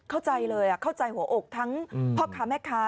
เข้าใจเลยเข้าใจหัวอกทั้งพ่อค้าแม่ค้า